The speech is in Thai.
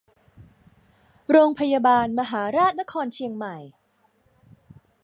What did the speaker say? โรงพยาบาลมหาราชนครเชียงใหม่